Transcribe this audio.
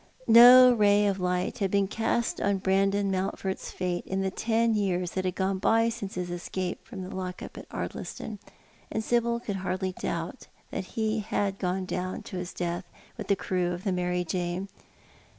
No ray of light had been cast on Brandon Mountford's fate in the ten years that had gone by since his escape from the lock up at Ardliston, and Sibyl could hardly doubt that he Jiad gone down to his death with the crew of the Mary Jane.